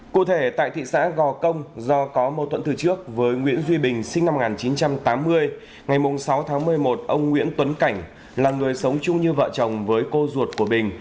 cụ thể tại thị xã gò công do có mâu thuẫn từ trước với nguyễn duy bình sinh năm một nghìn chín trăm tám mươi ngày sáu tháng một mươi một ông nguyễn tuấn cảnh là người sống chung như vợ chồng với cô ruột của bình